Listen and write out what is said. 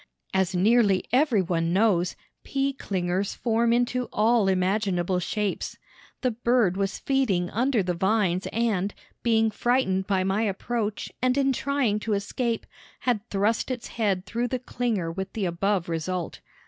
As nearly everyone knows, pea clingers form into all imaginable shapes. The bird was feeding under the vines and, being frightened by my approach and in trying to escape, had thrust its head through the clinger with the above result.